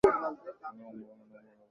আমি আপনাকে অমর হতে সাহায্য করব!